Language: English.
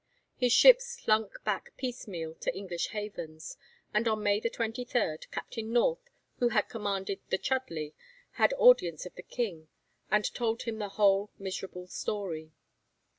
His ships slunk back piecemeal to English havens, and on May 23, Captain North, who had commanded the 'Chudleigh,' had audience of the King, and told him the whole miserable story.